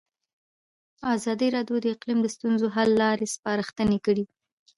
ازادي راډیو د اقلیم د ستونزو حل لارې سپارښتنې کړي.